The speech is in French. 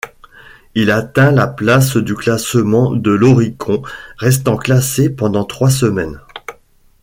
Il atteint la place du classement de l'Oricon, restant classé pendant trois semaines.